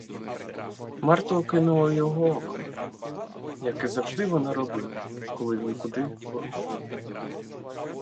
Марта окинула його оком, як і завжди вона робила, коли він куди виходив.